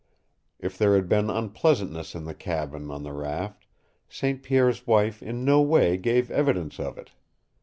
If there had been unpleasantness in the cabin on the raft, St. Pierre's wife in no way gave evidence of it.